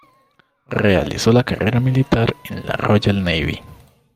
Realizó la carrera militar en la Royal Navy.